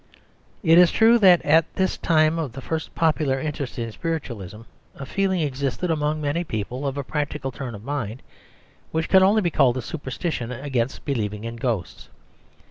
It is true that at this time of the first popular interest in spiritualism a feeling existed among many people of a practical turn of mind, which can only be called a superstition against believing in ghosts.